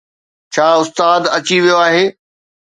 ڇا استاد اچي ويو آهي؟